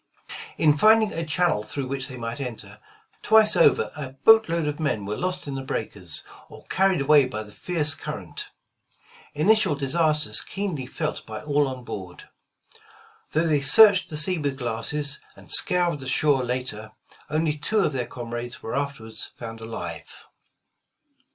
In finding a channel through which they might enter, twice over a boat load of men were lost in the breakers, or carried away by the fierce current, — initial disasters keenly felt by all on board. Though they searched the sea with glasses, and scoured the shore later, only two of their comrades were afterward found alive.